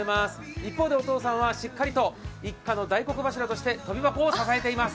一方でお父さんはしっかりと一家の大黒柱として跳び箱を支えています。